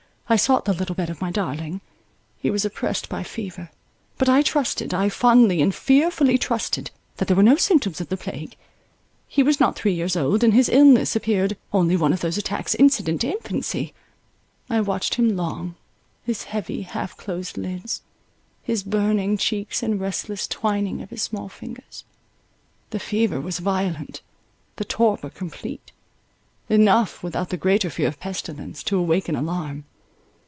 I sought the little bed of my darling; he was oppressed by fever; but I trusted, I fondly and fearfully trusted, that there were no symptoms of the plague. He was not three years old, and his illness appeared only one of those attacks incident to infancy. I watched him long—his heavy half closed lids, his burning cheeks and restless twining of his small fingers—the fever was violent, the torpor complete—enough, without the greater fear of pestilence, to awaken alarm.